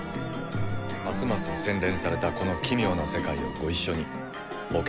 ますます洗練されたこの奇妙な世界をご一緒に冒険しましょう。